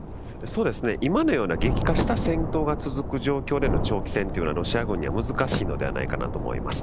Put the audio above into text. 今のような激化した戦闘が続く戦闘の長期戦はロシア軍には難しいのではないかと思います。